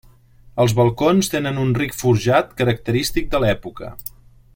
Els balcons tenen un ric forjat característic de l'època.